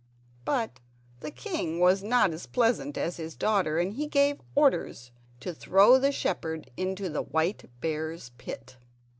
But the king was not as pleasant as his daughter, and he gave orders to throw the shepherd into the white bear's pit.